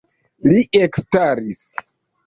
Li ekstaris.